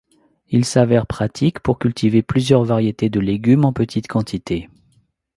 Il s’avère pratique pour cultiver plusieurs variétés de légumes en petites quantités.